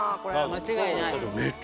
間違いない。